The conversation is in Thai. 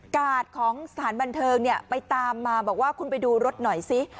กาดของสถานบันเทิงไปตามมาบอกว่าคุณไปดูรถหน่อยซิ